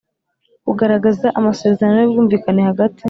ugaragaza amasezerano y ubwumvikane hagati